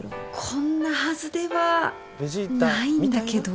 こんなはずではないんだけど。